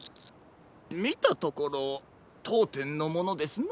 みたところとうてんのものですな。